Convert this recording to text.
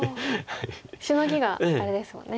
シノギがあれですもんね。